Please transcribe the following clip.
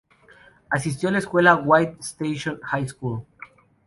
Asistió a la escuela "White Station High School".